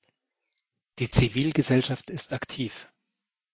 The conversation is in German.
Die Zivilgesellschaft ist aktiv.